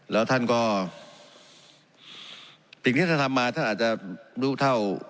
แล้วท่านก็สิ่งที่ท่านทำมาท่านอาจจะรู้เท่า